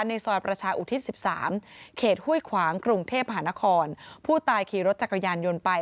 ในซอยประชาอุทิศ๑๓เขตห้วยขวางกรุงเทพหานครผู้ตายขี่รถจักรยานยนต์ไป